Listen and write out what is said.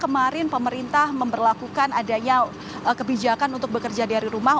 kemarin pemerintah memperlakukan adanya kebijakan untuk bekerja dari rumah